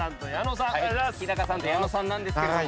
日さんと矢野さんですけれども。